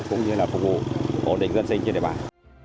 cũng như là phục vụ ổn định dân sinh trên đề bản